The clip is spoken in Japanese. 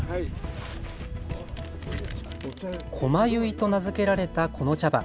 駒結と名付けられたこの茶葉。